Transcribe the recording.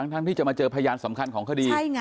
ทั้งที่จะมาเจอพยานสำคัญของคดี